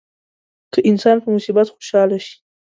که انسان په مصیبت خوشاله شي.